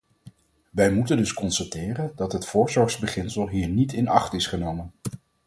Wij moeten dus constateren dat het voorzorgsbeginsel hier niet in acht is genomen.